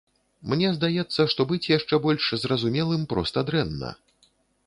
Мне здаецца, што быць яшчэ больш зразумелым проста дрэнна.